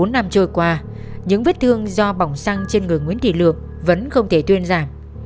bốn năm trôi qua những vết thương do bỏng xăng trên người nguyễn thị lược vẫn không thể thuyên giảm